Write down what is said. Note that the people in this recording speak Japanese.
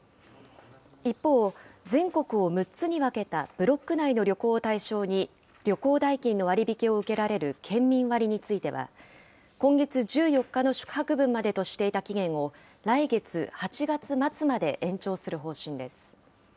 一方、全国を６つに分けたブロック内の旅行を対象に、旅行代金の割引を受けられる県民割については、今月１４日の宿泊分までとしていた期限を、来月・８月末まで延長する方針です。